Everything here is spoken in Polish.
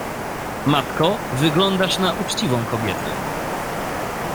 — Matko, wyglądasz na uczciwą kobietę.